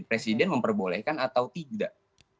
presiden memperbolehkan atau tidak